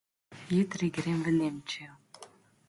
Jutri grem v Nemčijo.